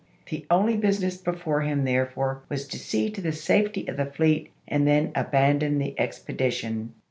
The only business before him therefore was to see to the safety of the fleet and then aban don the expedition.